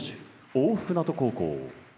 大船渡高校